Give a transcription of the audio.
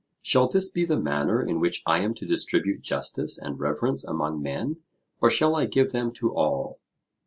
'Shall this be the manner in which I am to distribute justice and reverence among men, or shall I give them to all?'